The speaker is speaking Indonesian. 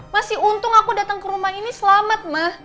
masih untung aku datang ke rumah ini selamat mah